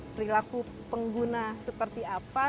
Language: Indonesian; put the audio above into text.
perilaku pengguna seperti apa